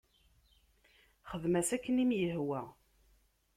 Xdem-as akken i m-ihwa.